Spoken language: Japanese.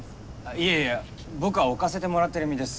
いやいや僕は置かせてもらってる身です。